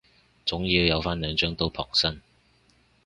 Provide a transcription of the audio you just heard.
總要有返兩張刀傍身